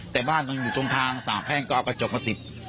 แต่บ้านมันอยู่ตรงทางสาบแพ่งก็เอากระจกมาติด